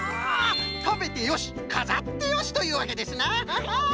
たべてよしかざってよしというわけですなアハハ！